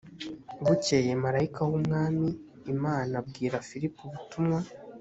bukeye marayika w’umwami imana abwira filipo ubutumwa